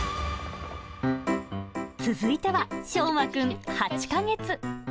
続いては、しょうまくん８か月。